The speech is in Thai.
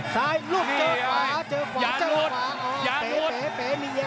ซ้ายลุกเจอขวา